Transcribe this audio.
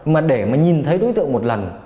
mà để nhìn thấy đối tượng một lần